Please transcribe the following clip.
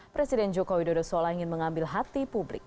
presiden jokowi dodo sola ingin mengambil hati publik